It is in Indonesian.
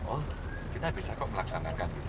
oh kita bisa kok melaksanakan